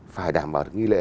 phải đảm bảo được nghi lễ